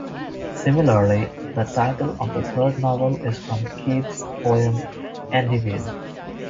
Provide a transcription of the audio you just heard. Similarly, the title of the third novel is from Keats' poem "Endymion".